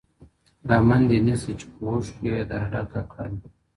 لمن دي نيسه چي په اوښكو يې در ډكه كړمه-